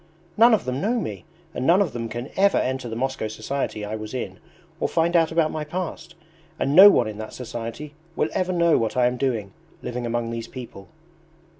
None of them know me and none of them can ever enter the Moscow society I was in or find out about my past. And no one in that society will ever know what I am doing, living among these people."